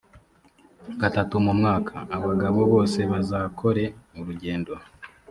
gatatu mu mwaka, abagabo bose bazakore urugendo,